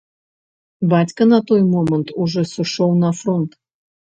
Бацька на той момант ужо сышоў на фронт.